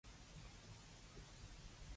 唔該借借